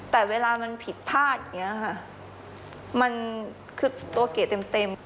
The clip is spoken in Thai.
แต่เวลามันผิดพลาดอย่างนี้ค่ะมันคือตัวเก๋เต็ม